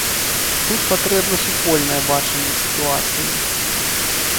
Тут патрэбна супольнае бачанне сітуацыі.